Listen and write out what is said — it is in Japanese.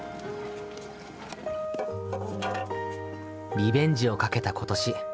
リベンジをかけた今年。